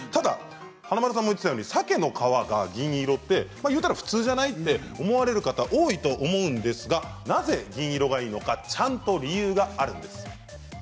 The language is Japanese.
華丸さんも言っていたようにサケの皮が銀色って言ったら普通じゃないかと思われる方多いと思いますけれどなぜ銀色がいいのかちゃんと理由があります。